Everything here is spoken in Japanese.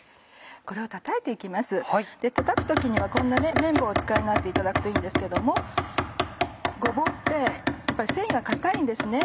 これをたたいて行きますたたく時には麺棒をお使いになっていただくといいんですけどもごぼうってやっぱり繊維が硬いんですね。